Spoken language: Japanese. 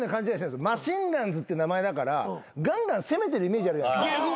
マシンガンズって名前だからガンガン攻めてるイメージあるじゃないですか。